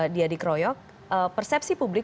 dia dikeroyok persepsi publik